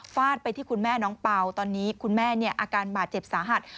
ฟาดไปที่คุณแม่น้องเป่าตอนนี้คุณแม่อาการบาดเจ็บสาหัส